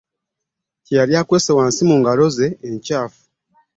keyali akwese wansi mungalo ze enkayafu.